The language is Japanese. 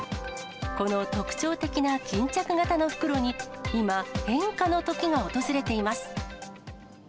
この特徴的な巾着型の袋に今、変化のときが訪れています。